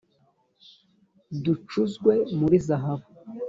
ducuzwe muri zahabu